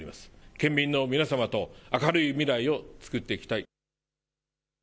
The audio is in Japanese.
県民の皆様と明るい未来をつくっていきたい。